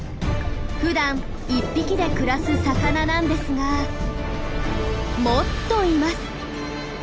ふだん１匹で暮らす魚なんですがもっといます。